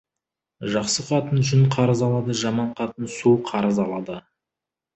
Жақсы қатын жүн қарыз алады, жаман қатын су қарыз алады.